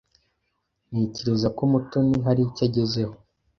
Ntekereza ko Mutoni hari icyo agezeho.